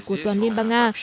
của toàn liên bang nga